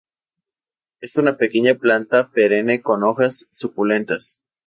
Es una pequeña planta perenne con hojas suculentas.